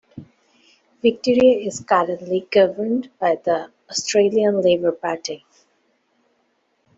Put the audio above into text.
Victoria is currently governed by the Australian Labor Party.